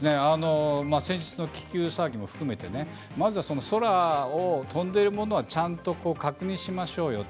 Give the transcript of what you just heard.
先日の気球騒ぎも含めてまず空を飛んでいるものをちゃんと確認しましょうよと。